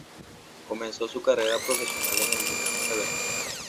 Comenzó su carrera profesional en el Dinamo de Berlín.